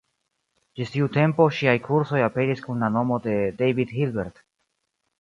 Ĝis tiu tempo ŝiaj kursoj aperis kun la nomo de David Hilbert.